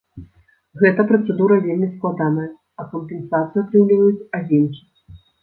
Гэта працэдура вельмі складаная, а кампенсацыю атрымліваюць адзінкі.